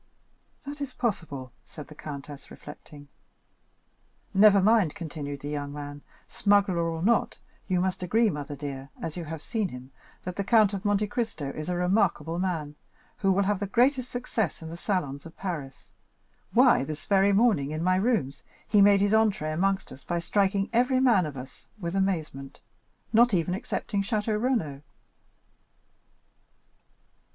"That is possible," said the countess, reflecting. "Never mind," continued the young man, "smuggler or not, you must agree, mother dear, as you have seen him, that the Count of Monte Cristo is a remarkable man, who will have the greatest success in the salons of Paris. Why, this very morning, in my rooms, he made his entrée amongst us by striking every man of us with amazement, not even excepting Château Renaud."